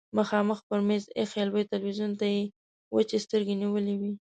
مخامخ پر مېز ايښي لوی تلويزيون ته يې وچې سترګې نيولې وې.